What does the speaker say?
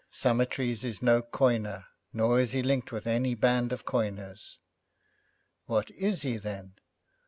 'Summertrees is no coiner, nor is he linked with any band of coiners.' 'What is he, then?'